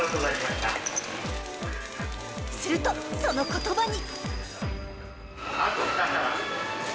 するとその言葉に。